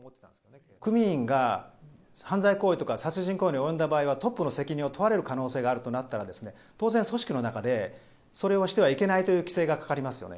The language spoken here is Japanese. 組員が犯罪行為とか殺人行為に及んだ場合は、トップの責任を問われる可能性があるとなったら、当然組織の中で、それをしてはいけないという規制がかかりますよね。